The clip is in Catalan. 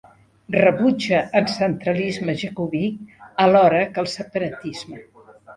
Rebutja en centralisme jacobí alhora que el separatisme.